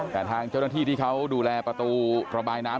แต่ทางเจ้าหน้าที่ที่เขาดูแลประตูระบายน้ำ